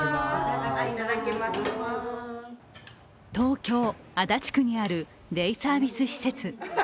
東京・足立区にあるデイサービス施設。